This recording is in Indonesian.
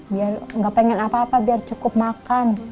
biar gak pengen apa apa biar cukup makan